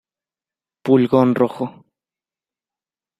Pulgón rojo.